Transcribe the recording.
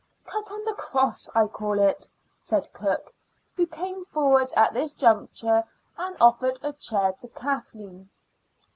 "Cut on the cross, I call it," said cook, who came forward at this juncture and offered a chair to Kathleen.